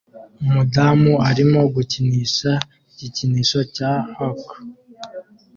Umudamu arimo gukinisha igikinisho cya Hulk